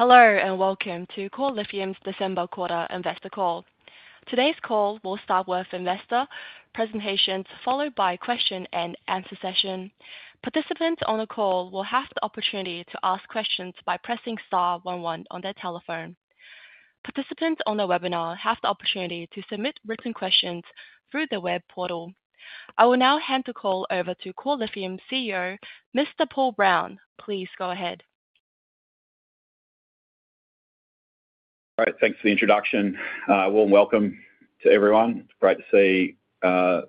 Hello and welcome to Core Lithium's December Quarter Investor Call. Today's call will start with investor presentations, followed by a question-and-answer session. Participants on the call will have the opportunity to ask questions by pressing star one one on their telephone. Participants on the webinar have the opportunity to submit written questions through the web portal. I will now hand the call over to Core Lithium CEO, Mr. Paul Brown. Please go ahead. All right, thanks for the introduction. Warm welcome to everyone. It's great to see so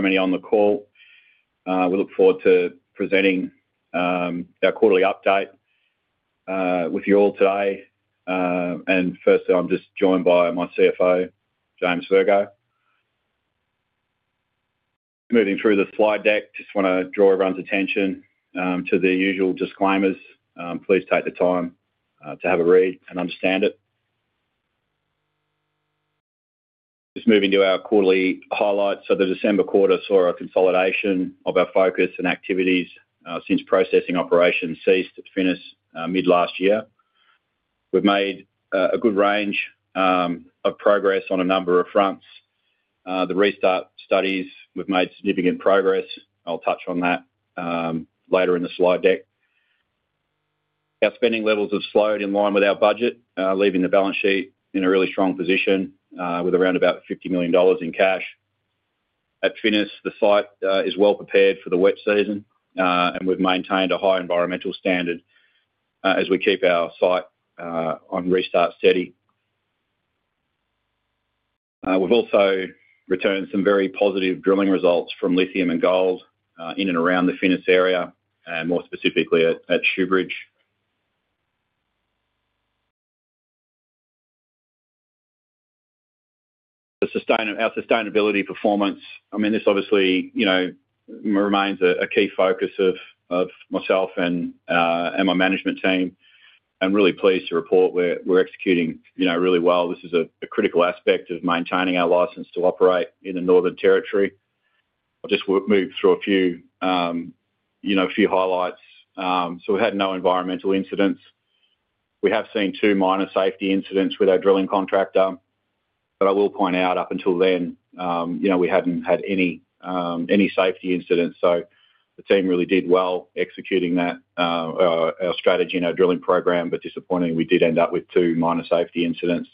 many on the call. We look forward to presenting our quarterly update with you all today. And firstly, I'm just joined by my CFO, James Virgo. Just moving through the slide deck, just wanna draw everyone's attention to the usual disclaimers. Please take the time to have a read and understand it. Just moving to our quarterly highlights, so the December quarter saw a consolidation of our focus and activities since processing operations ceased at Finniss mid-last year. We've made a good range of progress on a number of fronts. The restart studies, we've made significant progress. I'll touch on that later in the slide deck. Our spending levels have slowed in line with our budget, leaving the balance sheet in a really strong position with around about 50 million dollars in cash. At Finniss, the site is well prepared for the wet season, and we've maintained a high environmental standard, as we keep our site on restart steady. We've also returned some very positive drilling results from lithium and gold in and around the Finniss area, and more specifically at Shoobridge. The sustainability performance, I mean, this obviously, you know, remains a key focus of myself and my management team. I'm really pleased to report we're executing, you know, really well. This is a critical aspect of maintaining our license to operate in the Northern Territory. I'll just move through a few, you know, highlights. So we had no environmental incidents. We have seen two minor safety incidents with our drilling contractor, but I will point out up until then, you know, we hadn't had any safety incidents. So the team really did well executing that, our strategy and our drilling program, but disappointingly, we did end up with two minor safety incidents.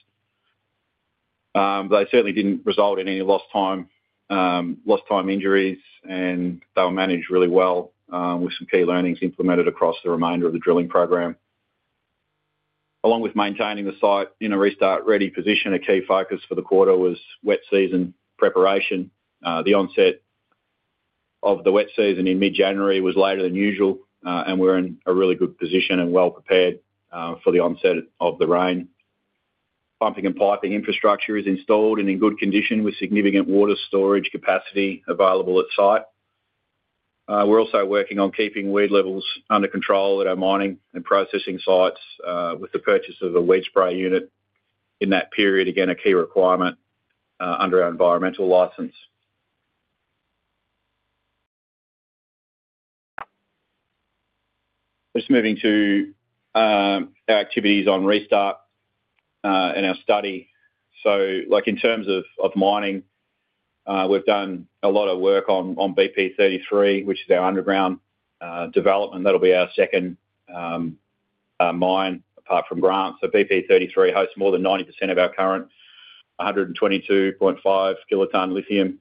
They certainly didn't result in any lost time, lost time injuries, and they were managed really well, with some key learnings implemented across the remainder of the drilling program. Along with maintaining the site in a restart-ready position, a key focus for the quarter was wet season preparation. The onset of the wet season in mid-January was later than usual, and we're in a really good position and well prepared, for the onset of the rain. Pumping and piping infrastructure is installed and in good condition with significant water storage capacity available at site. We're also working on keeping weed levels under control at our mining and processing sites, with the purchase of a weed spray unit in that period, again, a key requirement, under our environmental license. Just moving to our activities on restart and our study. Like, in terms of mining, we've done a lot of work on BP33, which is our underground development. That'll be our second mine apart from Grants. So BP33 hosts more than 90% of our current 122.5 kiloton lithium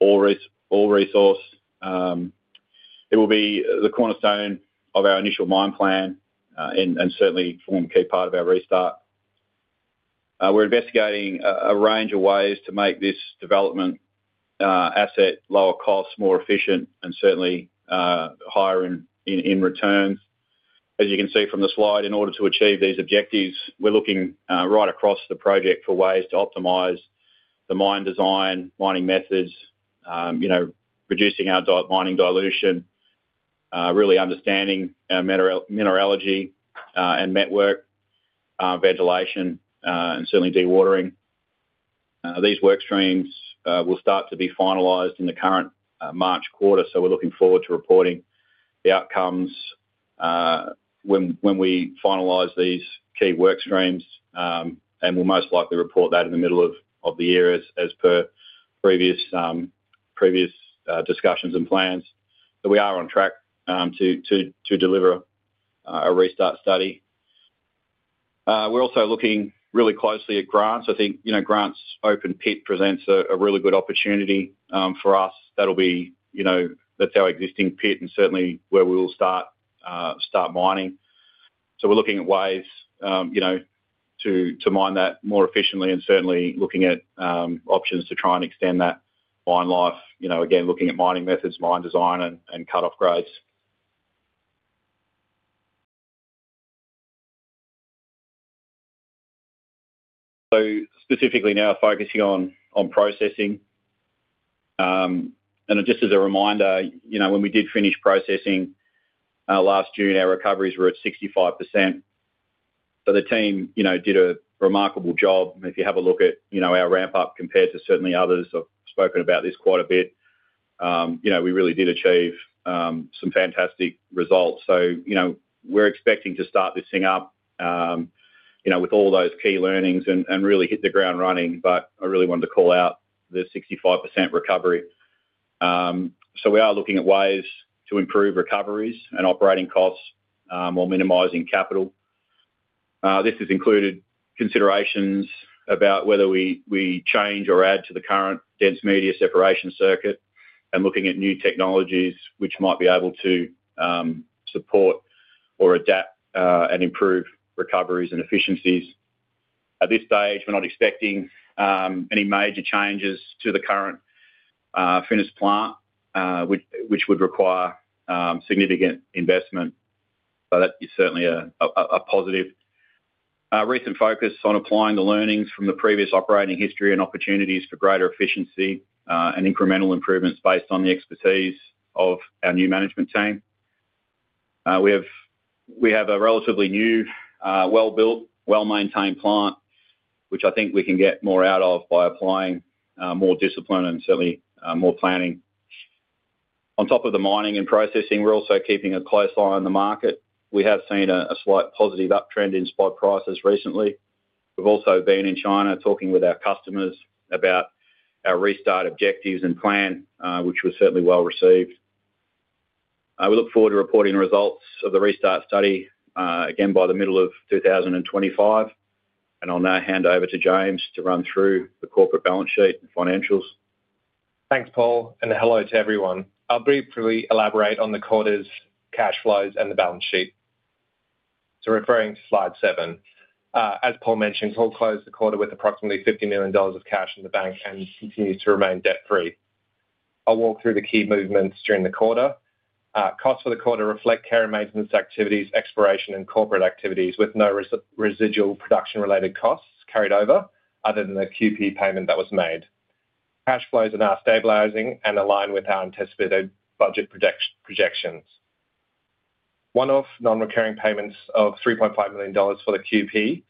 ore resource. It will be the cornerstone of our initial mine plan, and certainly form a key part of our restart. We're investigating a range of ways to make this development asset lower cost, more efficient, and certainly higher in returns. As you can see from the slide, in order to achieve these objectives, we're looking right across the project for ways to optimize the mine design, mining methods, you know, reducing our mining dilution, really understanding our mineralogy, and network, ventilation, and certainly dewatering. These work streams will start to be finalized in the current March quarter. So we're looking forward to reporting the outcomes when we finalize these key work streams, and we'll most likely report that in the middle of the year as per previous discussions and plans. But we are on track to deliver a restart study. We're also looking really closely at Grants. So I think, you know, Grants' open pit presents a really good opportunity for us. That'll be, you know, that's our existing pit and certainly where we will start mining. So we're looking at ways, you know, to mine that more efficiently and certainly looking at options to try and extend that mine life, you know, again, looking at mining methods, mine design, and cut-off grades. So specifically now focusing on processing. Just as a reminder, you know, when we did finish processing last June, our recoveries were at 65%. So the team, you know, did a remarkable job. If you have a look at, you know, our ramp-up compared to certainly others, I've spoken about this quite a bit. You know, we really did achieve some fantastic results. So, you know, we're expecting to start this thing up, you know, with all those key learnings and really hit the ground running. But I really wanted to call out the 65% recovery. So we are looking at ways to improve recoveries and operating costs, while minimizing capital. This has included considerations about whether we change or add to the current dense media separation circuit and looking at new technologies which might be able to support or adapt, and improve recoveries and efficiencies. At this stage, we're not expecting any major changes to the current Finniss plant, which would require significant investment. But that is certainly a positive. Recent focus on applying the learnings from the previous operating history and opportunities for greater efficiency, and incremental improvements based on the expertise of our new management team. We have a relatively new, well-built, well-maintained plant, which I think we can get more out of by applying more discipline and certainly more planning. On top of the mining and processing, we're also keeping a close eye on the market. We have seen a slight positive uptrend in spot prices recently. We've also been in China talking with our customers about our restart objectives and plan, which was certainly well received. We look forward to reporting the result of the restart study, again by the middle of 2025. And I'll now hand over to James to run through the corporate balance sheet and financials. Thanks, Paul. And hello to everyone. I'll briefly elaborate on the quarter's cash flows and the balance sheet. So referring to slide seven, as Paul mentioned, Paul closed the quarter with approximately 50 million dollars of cash in the bank and continues to remain debt-free. I'll walk through the key movements during the quarter. Costs for the quarter reflect care and maintenance activities, exploration, and corporate activities with no residual production-related costs carried over other than the QP payment that was made. Cash flows are now stabilizing and align with our anticipated budget projections. One-off non-recurring payments of 3.5 million dollars for the QP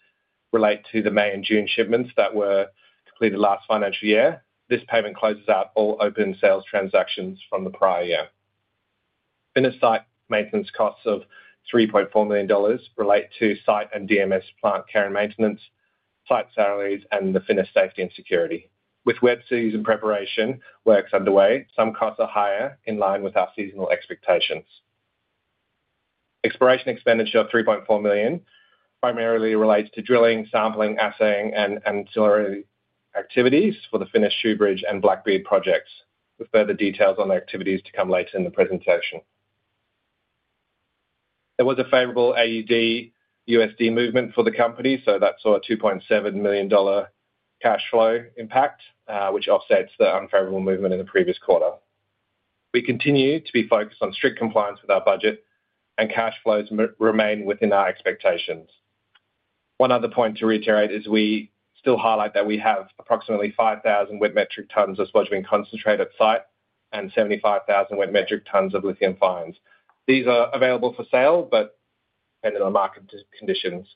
relate to the May and June shipments that were completed last financial year. This payment closes out all open sales transactions from the prior year. Finniss site maintenance costs of 3.4 million dollars relate to site and DMS plant care and maintenance, site salaries, and the Finniss safety and security. With wet season preparation works underway, some costs are higher in line with our seasonal expectations. Exploration expenditure of 3.4 million primarily relates to drilling, sampling, assaying, and ancillary activities for the Finniss Shoobridge and Blackbeard projects. Further details on the activities to come later in the presentation. There was a favorable AUD/USD movement for the company, so that saw a 2.7 million dollar cash flow impact, which offsets the unfavorable movement in the previous quarter. We continue to be focused on strict compliance with our budget, and cash flows remain within our expectations. One other point to reiterate is we still highlight that we have approximately 5,000 wet metric tons of sludge being concentrated at site and 75,000 wet metric tons of lithium fines. These are available for sale, but depending on market conditions,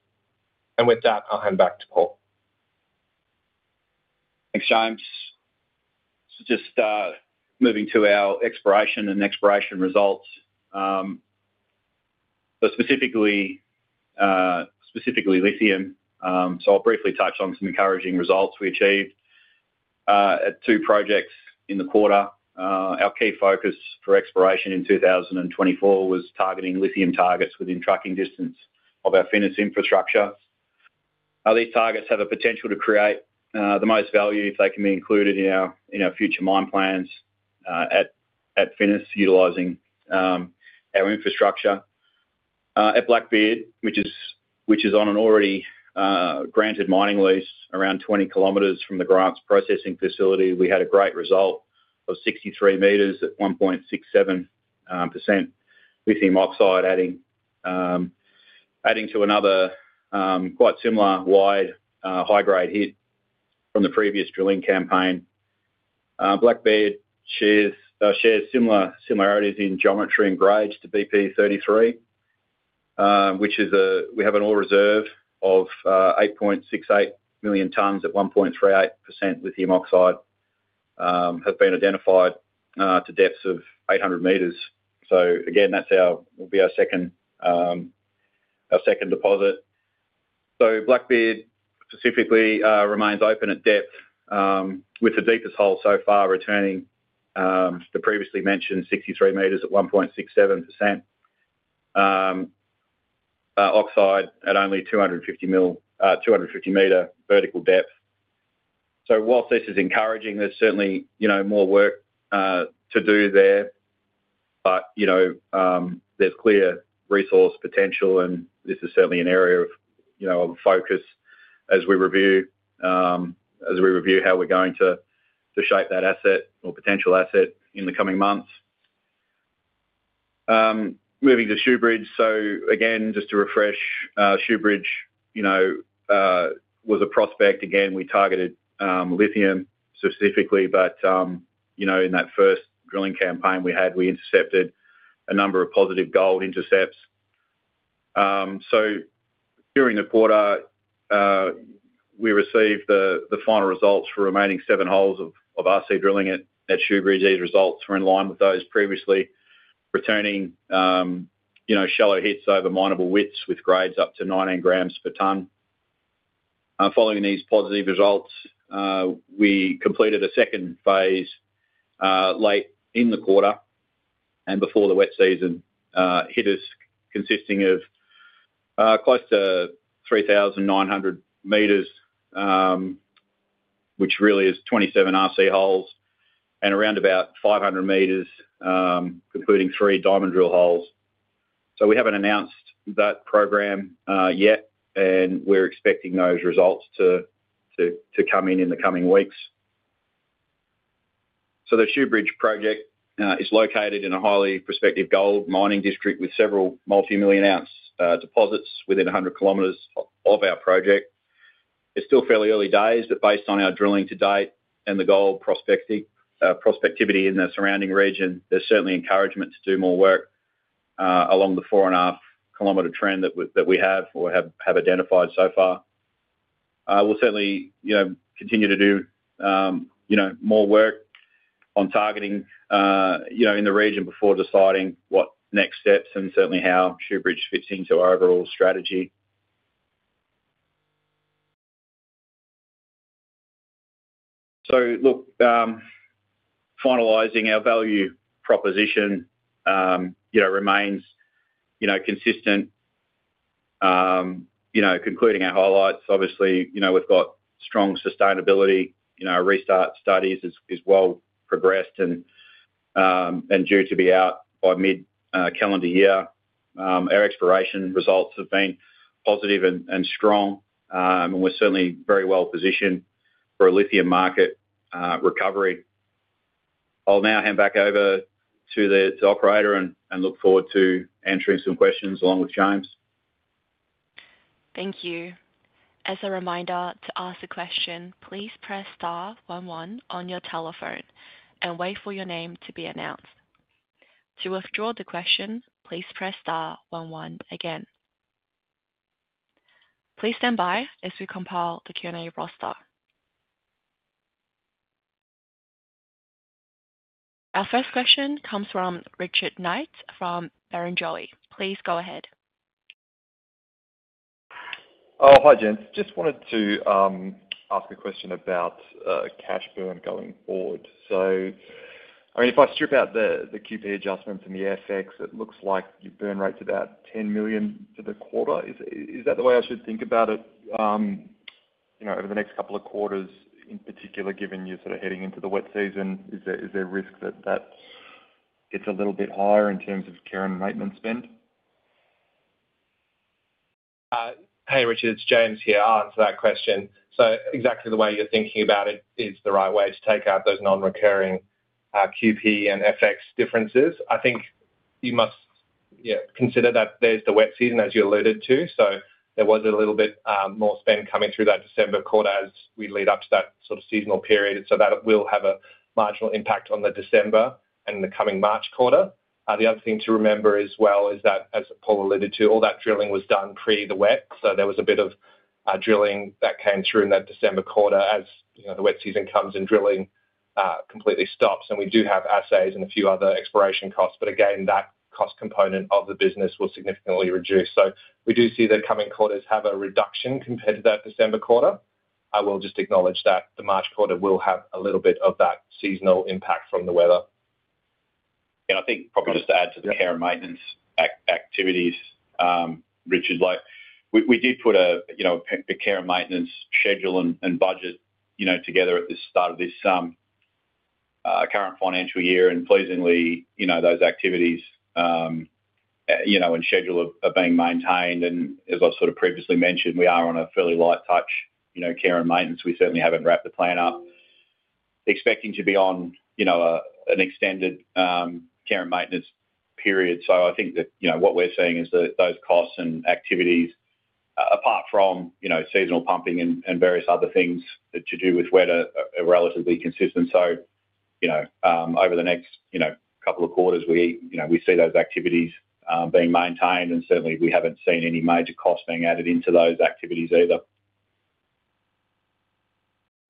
and with that, I'll hand back to Paul. Thanks, James. Just moving to our exploration and exploration results, so specifically lithium. I'll briefly touch on some encouraging results we achieved at two projects in the quarter. Our key focus for exploration in 2024 was targeting lithium targets within striking distance of our Finniss infrastructure. These targets have a potential to create the most value if they can be included in our future mine plans at Finniss utilizing our infrastructure. At Blackbeard, which is on an already granted mining lease around 20 kilometers from the Grants processing facility, we had a great result of 63 meters at 1.67% lithium oxide adding to another quite similar wide high-grade hit from the previous drilling campaign. Blackbeard shares similar similarities in geometry and grades to BP33, which is a we have an ore reserve of 8.68 million tons at 1.38% lithium oxide has been identified to depths of 800 meters. So again, that's our second deposit. So Blackbeard specifically remains open at depth, with the deepest hole so far returning the previously mentioned 63 meters at 1.67% oxide at only 250 meter vertical depth. So while this is encouraging, there's certainly you know more work to do there. But you know there's clear resource potential, and this is certainly an area of you know focus as we review how we're going to shape that asset or potential asset in the coming months. Moving to Shoobridge. So again, just to refresh, Shoobridge you know was a prospect. Again, we targeted lithium specifically, but you know, in that first drilling campaign we had, we intercepted a number of positive gold intercepts. So during the quarter, we received the final results for remaining seven holes of RC drilling at Shoobridge. These results were in line with those previously returning, you know, shallow hits over minable widths with grades up to 19 grams per ton. Following these positive results, we completed a second phase late in the quarter and before the wet season, this consisting of close to 3,900 meters, which really is 27 RC holes and around about 500 meters, including three diamond drill holes. So we haven't announced that program yet, and we're expecting those results to come in in the coming weeks. So the Shoobridge project is located in a highly prospective gold mining district with several multi-million-ounce deposits within 100 km of our project. It's still fairly early days, but based on our drilling to date and the gold prospectivity in the surrounding region, there's certainly encouragement to do more work along the four-and-a-half km trend that we have identified so far. We'll certainly, you know, continue to do, you know, more work on targeting, you know, in the region before deciding what next steps and certainly how Shoobridge fits into our overall strategy. So look, finalizing our value proposition, you know, remains, you know, consistent. You know, concluding our highlights, obviously, you know, we've got strong sustainability, you know, our restart studies is well progressed and due to be out by mid-calendar year. Our exploration results have been positive and strong, and we're certainly very well positioned for a lithium market recovery. I'll now hand back over to the operator and look forward to answering some questions along with James. Thank you. As a reminder to ask the question, please press star one one on your telephone and wait for your name to be announced. To withdraw the question, please press star one one again. Please stand by as we compile the Q&A roster. Our first question comes from Richard Knights from Barrenjoey. Please go ahead. Oh, hi James. Just wanted to ask a question about cash burn going forward. So, I mean, if I strip out the QP adjustments and the FX, it looks like your burn rate's about 10 million for the quarter. Is that the way I should think about it? You know, over the next couple of quarters in particular, given you're sort of heading into the wet season, is there risk that that gets a little bit higher in terms of care and maintenance spend? Hey Richard, it's James here. I'll answer that question. So exactly the way you're thinking about it is the right way to take out those non-recurring, QP and FX differences. I think you must, yeah, consider that there's the wet season as you alluded to. So there was a little bit more spend coming through that December quarter as we lead up to that sort of seasonal period. So that will have a marginal impact on the December and the coming March quarter. The other thing to remember as well is that, as Paul alluded to, all that drilling was done pre the wet. So there was a bit of drilling that came through in that December quarter as, you know, the wet season comes and drilling completely stops, and we do have assays and a few other exploration costs. But again, that cost component of the business will significantly reduce. So we do see the coming quarters have a reduction compared to that December quarter. I will just acknowledge that the March quarter will have a little bit of that seasonal impact from the weather. Yeah, I think probably just to add to the care and maintenance activities, Richard, like we did put the care and maintenance schedule and budget together at the start of this current financial year, and pleasingly, you know, those activities, you know, and schedule are being maintained, and as I sort of previously mentioned, we are on a fairly light touch, you know, care and maintenance. We certainly haven't wrapped the plan up, expecting to be on, you know, an extended care and maintenance period, so I think that, you know, what we're seeing is that those costs and activities, apart from, you know, seasonal pumping and various other things that have to do with weather, are relatively consistent, so you know, over the next, you know, couple of quarters, we, you know, we see those activities being maintained. Certainly, we haven't seen any major costs being added into those activities either.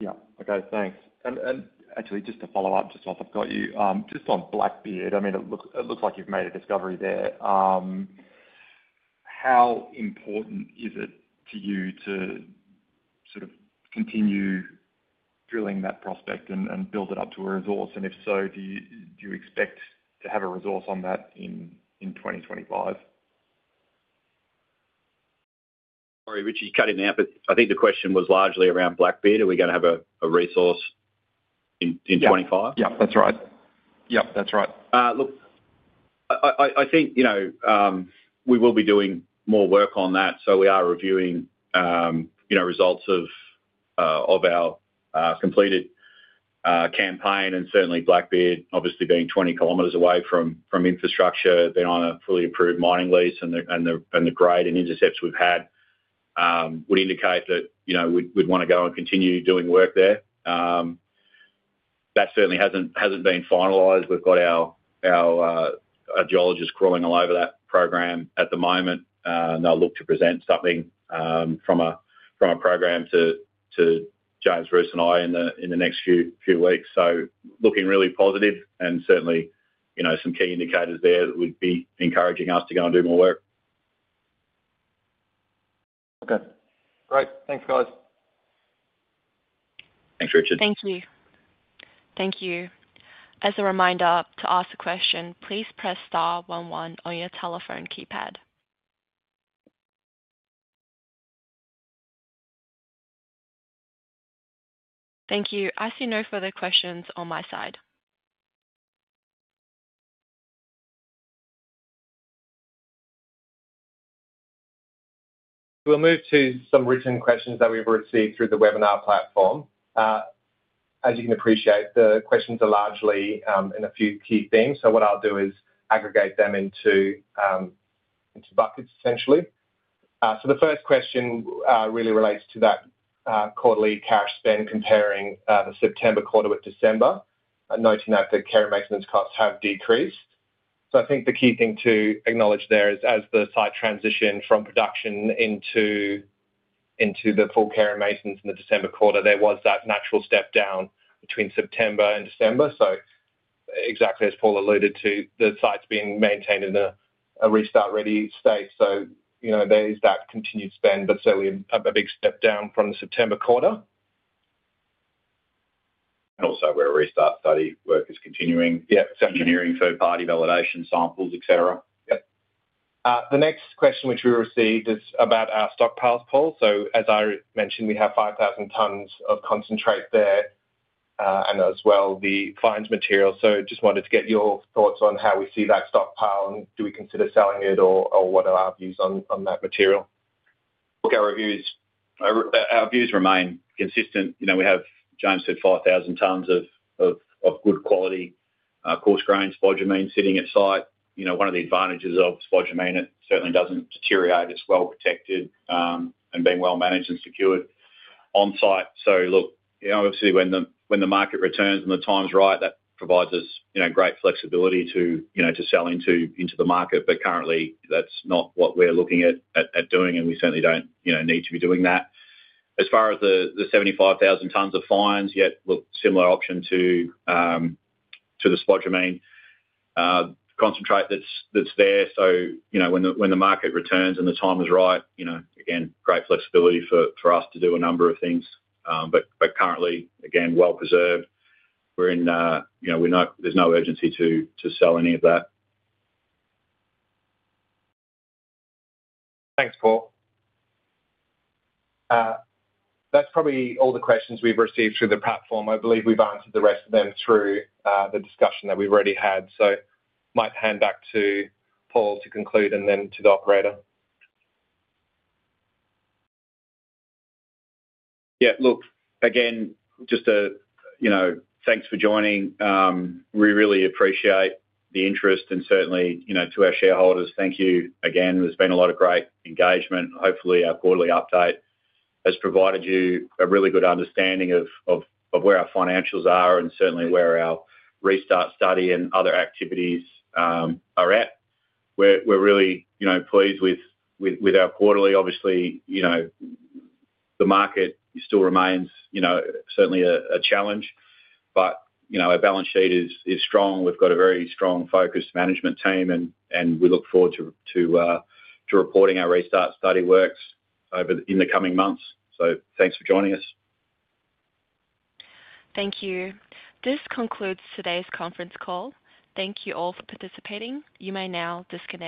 Yeah. Okay. Thanks. And actually, just to follow up, just while I've got you, just on Blackbeard, I mean, it looks like you've made a discovery there. How important is it to you to sort of continue drilling that prospect and build it up to a resource? And if so, do you expect to have a resource on that in 2025? Sorry, Richard, you cut in there, but I think the question was largely around Blackbeard. Are we gonna have a resource in 2025? Yeah. Yeah, that's right. Yep, that's right. Look, I think, you know, we will be doing more work on that. So we are reviewing, you know, results of our completed campaign. And certainly Blackbeard, obviously being 20 kilometers away from infrastructure, being on a fully approved mining lease. And the grade and intercepts we've had would indicate that, you know, we'd wanna go and continue doing work there. That certainly hasn't been finalized. We've got our geologists crawling all over that program at the moment. And they'll look to present something from a program to James Bruce and I in the next few weeks. So looking really positive and certainly, you know, some key indicators there would be encouraging us to go and do more work. Okay. Great. Thanks, guys. Thanks, Richard. Thank you. Thank you. As a reminder, to ask a question, please press star one one on your telephone keypad. Thank you. I see no further questions on my side. So we'll move to some written questions that we've received through the webinar platform. As you can appreciate, the questions are largely in a few key themes so what I'll do is aggregate them into buckets essentially. So the first question really relates to that quarterly cash spend comparing the September quarter with December, noting that the care and maintenance costs have decreased. So I think the key thing to acknowledge there is, as the site transitioned from production into the full care and maintenance in the December quarter, there was that natural step down between September and December. So exactly as Paul alluded to, the site's being maintained in a restart ready state. So, you know, there is that continued spend, but certainly a big step down from the September quarter. And also where a restart study work is continuing. Yeah, so engineering third-party validation samples, etc. Yep. The next question which we received is about our stockpiles, Paul. So as I mentioned, we have 5,000 tons of concentrate there, and as well the fines material. So just wanted to get your thoughts on how we see that stockpile and do we consider selling it or what are our views on that material? Look, our reviews remain consistent. You know, we have, James said, 5,000 tons of good quality coarse grain spodumene sitting at site. You know, one of the advantages of spodumene it certainly doesn't deteriorate. It's well protected, and being well managed and secured on site. So look, you know, obviously when the market returns and the time's right, that provides us, you know, great flexibility to sell into the market. But currently, that's not what we're looking at doing, and we certainly don't, you know, need to be doing that. As far as the 75,000 tons of fines, look, similar option to the spodumene concentrate that's there. So, you know, when the market returns and the time is right, you know, again, great flexibility for us to do a number of things. But currently, again, well preserved. We're in, you know, there's no urgency to sell any of that. Thanks, Paul. That's probably all the questions we've received through the platform. I believe we've answered the rest of them through the discussion that we've already had. So might hand back to Paul to conclude and then to the operator. Yeah. Look, again, just to, you know, thanks for joining. We really appreciate the interest and certainly, you know, to our shareholders, thank you again. There's been a lot of great engagement. Hopefully, our quarterly update has provided you a really good understanding of where our financials are and certainly where our restart study and other activities are at. We're really, you know, pleased with our quarterly. Obviously, you know, the market still remains, you know, certainly a challenge, but, you know, our balance sheet is strong. We've got a very strong focused management team and we look forward to reporting our restart study works in the coming months, so thanks for joining us. Thank you. This concludes today's conference call. Thank you all for participating. You may now disconnect.